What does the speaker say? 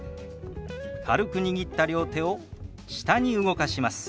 軽く握った両手を下に動かします。